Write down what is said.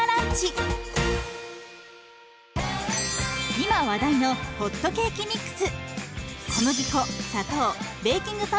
今話題のホットケーキミックス。